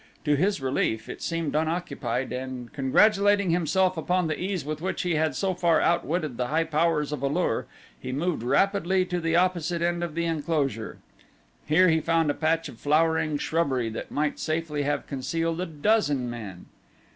To his relief it seemed unoccupied and congratulating himself upon the ease with which he had so far outwitted the high powers of A lur he moved rapidly to the opposite end of the enclosure. Here he found a patch of flowering shrubbery that might safely have concealed a dozen men.